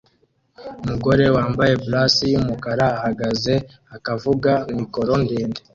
Umugore wambaye blus yumukara ahagaze akavuga mikoro ndende